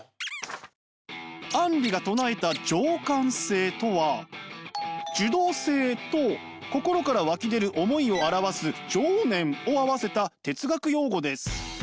アンリが唱えた情感性とは受動性と心から湧き出る思いを表す情念を合わせた哲学用語です。